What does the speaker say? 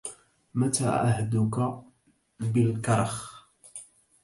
متى عهدك بالكرخ